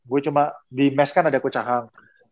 gue cuma di mes kan ada coach ahang